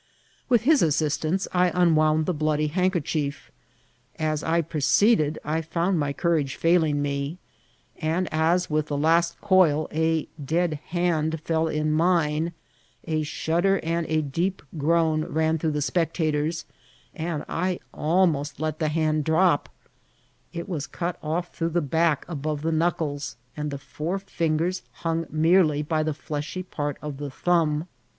With his assistance I unwound the bloody handkerchief ; as I proceeded I found my courage failing me, and as, with the last coil, a dead hand fell in mine, a shudder and a deep groan ran through the spectators, and I almost let the hand drc^ • UrrSEINft AND tOEROW. 959 It was cut off through the back above the knockleft, and the four fingers hung merely by the fleshy part of the thumb.